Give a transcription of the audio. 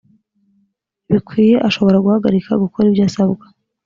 bikwiye ashobora guhagarika gukora ibyo asabwa